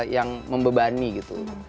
yang membebani gitu